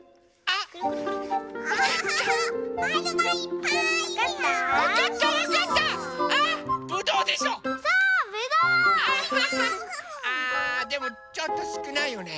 あでもちょっとすくないよね。